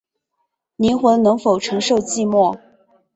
灵魂能否承受寂寞